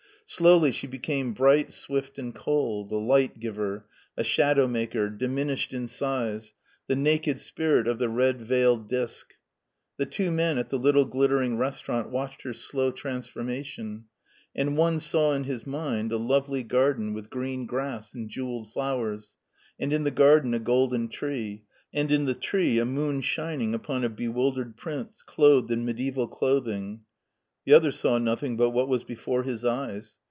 Slowly she became bright, swift, and cold : a light giver, a shadow maker, diminished in size, the naked spirit of the red veiled disk. The two men at the little glittering res taurant watched her slow transformation, and one saw in his mind a lovely garden with green grass and jewelled flowers, and in the garden a golden tree, and in the tree a moon shining upon a bewildered prince clbthed in mediaeval clothing; the other saw nothing but what was before his eyes.